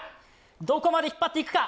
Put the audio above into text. どこまで引っ張っていくか。